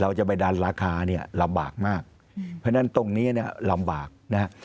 เราจะไปดันราคาเนี่ยลำบากมากเพราะฉะนั้นตรงนี้เนี่ยลำบากนะฮะ